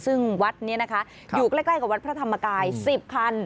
ซึ่งวัดนี้นะคะอยู่ใกล้กับวัดพระธรรมกาย๑๐คัน